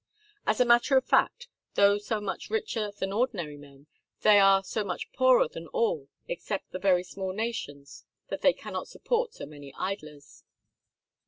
As a matter of fact, though so much richer than ordinary men, they are so much poorer than all except the very small nations that they cannot support so many idlers.